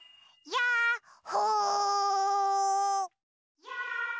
やっほ！